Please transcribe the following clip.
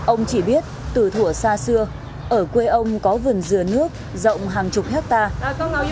ông chỉ biết từ thủa xa xưa ở quê ông có vườn dừa nước rộng hàng chục hectare